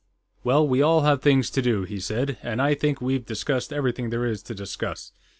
"Well, we all have things to do," he said, "and I think we've discussed everything there is to discuss.